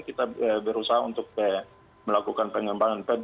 kita berusaha untuk melakukan pengembangan